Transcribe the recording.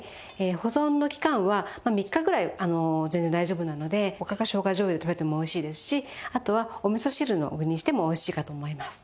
保存の期間はまあ３日ぐらい全然大丈夫なのでおかかしょうが醤油で食べてもおいしいですしあとはお味噌汁の具にしてもおいしいかと思います。